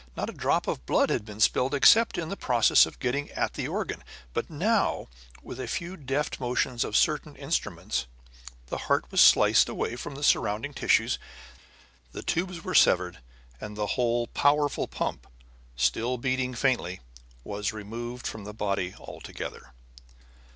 Not a drop of blood had been spilled except in the process of getting at the organ; but now, with a few deft motions of certain instruments, the heart was sliced away from the surrounding tissues, the tubes were severed, and the whole powerful pump, still beating faintly, was removed from the body altogether.